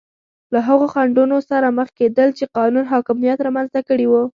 له هغو خنډونو سره مخ کېدل چې قانون حاکمیت رامنځته کړي وو.